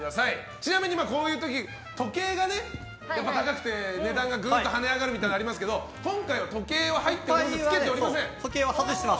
ちなみに、こういう時時計が高くて値段がグンとはね上がるみたいなのがありますけど今回は時計は着けておりません。